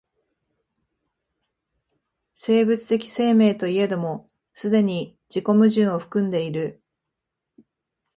生物的生命といえども既に自己矛盾を含んでいる。